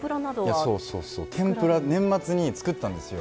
いやそうそうそうてんぷら年末に作ったんですよ。